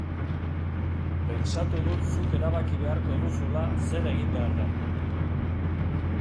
Pentsatu dut zuk erabaki beharko duzula zer egin behar den.